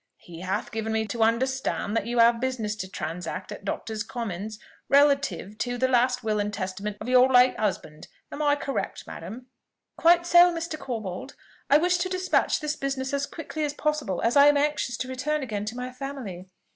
He hath given me to understand that you have business to transact at Doctors' Commons, relative to the last will and testament of your late husband. Am I correct, madam?" "Quite so, Mr. Corbold. I wish to despatch this business as quickly as possible, as I am anxious to return again to my family."